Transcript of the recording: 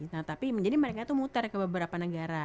nah tapi jadi mereka itu muter ke beberapa negara